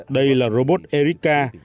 đây là robot erika